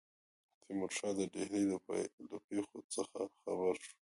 تیمورشاه د ډهلي له پیښو څخه خبر شو.